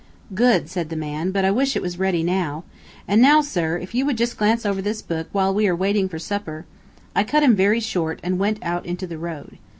"Good," said the man; "but I wish it was ready now. And now, sir, if you would just glance over this book, while we are waiting for supper " I cut him very short and went out into the road.